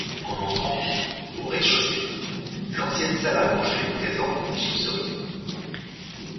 En entrant, au rez-de-chaussée, l'ancienne salle à manger présente des gypseries.